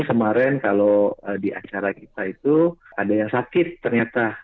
kemarin kalau di acara kita itu ada yang sakit ternyata